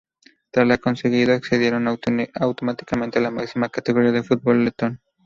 Tras lo conseguido accedieron automáticamente a la máxima categoría del fútbol letón.